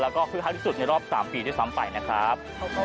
แล้วก็คึกคักที่สุดในรอบ๓ปีด้วยซ้ำไปนะครับ